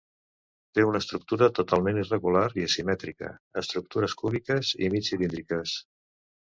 Té una estructura totalment irregular i asimètrica; estructures cúbiques i mig cilíndriques.